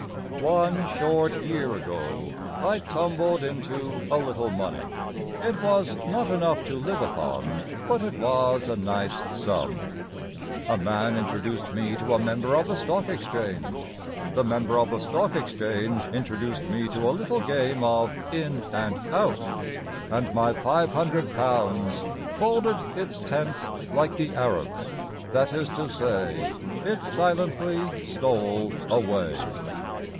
One short year ago I tumbled into a little money; It was "not enough to live upon," But it was a nice sum. A man introduced me to a member of the Stock Exchange, The member of the Stock Exchange introduced me to a little game of "in and out," And my five hundred pounds folded its tents like the Arabs That is to say, it silently stole away.